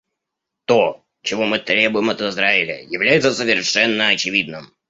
То, чего мы требуем от Израиля, является совершенно очевидным.